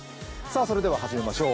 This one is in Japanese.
それでは始めましょう。